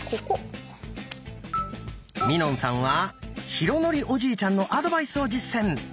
みのんさんは浩徳おじいちゃんのアドバイスを実践！